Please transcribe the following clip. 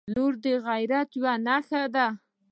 • لور د عزت یوه نښه ده.